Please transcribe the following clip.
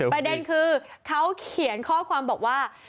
ประเด็นคือเขาเขียนข้อความบอกว่า